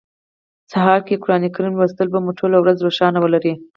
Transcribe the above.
سهار کی قران کریم لوستل به مو ټوله ورځ روښانه ولري